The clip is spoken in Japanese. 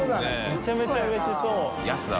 めちゃめちゃうれしそう。